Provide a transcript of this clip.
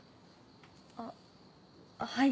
あっはい